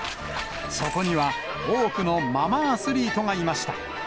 そこには、多くのママアスリートがいました。